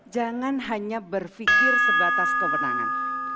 jangan hanya berpikir sebatas kewenangan